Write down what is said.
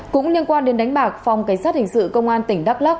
cũng liên quan đến đánh bạc phòng cảnh sát hình sự công an tỉnh đắk lắc